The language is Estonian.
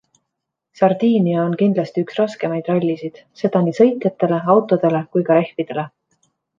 Sardiinia on kindlasti üks raskemaid rallisid, seda nii sõitjatele, autodele kui ka rehvidele.